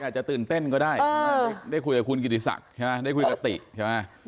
อาจจะตื่นเต้นก็ได้ได้คุยกับคุณกิติศักดิ์ใช่ไหมได้คุยกับติใช่ไหม